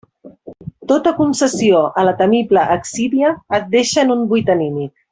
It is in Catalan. Tota concessió a la temible accídia et deixa en un buit anímic.